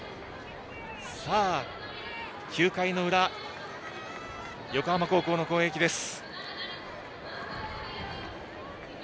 さあ、９回の裏横浜高校の攻撃です。